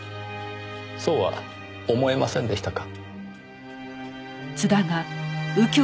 そうは思えませんでしたか？